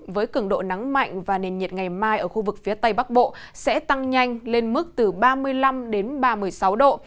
với cường độ nắng mạnh và nền nhiệt ngày mai ở khu vực phía tây bắc bộ sẽ tăng nhanh lên mức từ ba mươi năm đến ba mươi sáu độ